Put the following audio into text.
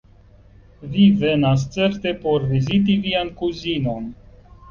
Vi venas certe por viziti vian kuzinon?